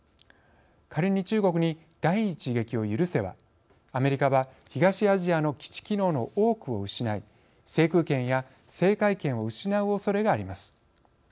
仮に中国に第一撃を許せばアメリカは東アジアの基地機能の多くを失い制空権や制海権を失うおそれがあります。